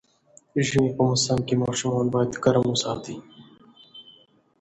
ژمی په موسم کې ماشومان باید ګرم وساتي